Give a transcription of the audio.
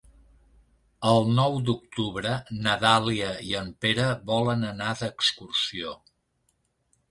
El nou d'octubre na Dàlia i en Pere volen anar d'excursió.